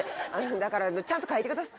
だから、ちゃんと描いてください。